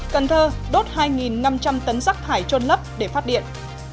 cần thơ đốt hai năm trăm linh tấn rác thải trôn lấp để phát điện